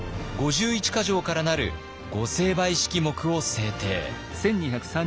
５１か条からなる御成敗式目を制定。